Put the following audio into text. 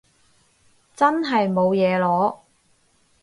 真係冇嘢囉